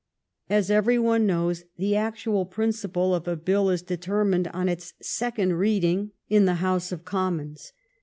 As every one knows, the actual principle of a bill is determined on its second reading in the THE CRIMEAN WAR 195 House of Commons.